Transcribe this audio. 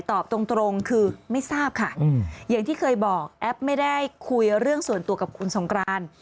ตอบตรงคือไม่ทราบค่ะอย่างที่เคยบอกแอปไม่ได้คุยเรื่องส่วนตัวกับคุณสงกราน